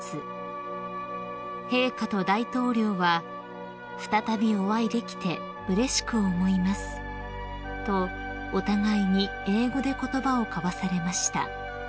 ［陛下と大統領は「再びお会いできてうれしく思います」とお互いに英語で言葉を交わされました］